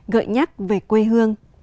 gợi nhắc về quê hương